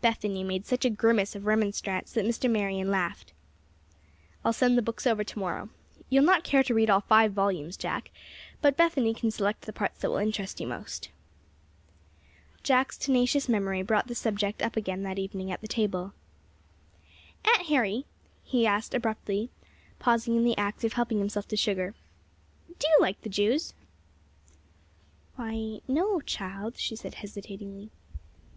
Bethany made such a grimace of remonstrance that Mr. Marion laughed. "I'll send the books over to morrow. You'll not care to read all five volumes, Jack; but Bethany can select the parts that will interest you most." Jack's tenacious memory brought the subject up again that evening at the table. "Aunt Harry," he asked, abruptly, pausing in the act of helping himself to sugar, "do you like the Jews?" "Why, no, child," she said, hesitatingly.